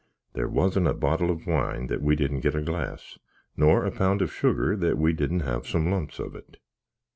There wasn't a bottle of wine that we didn't get a glas, nor a pound of sugar that we didn't have some lumps of it.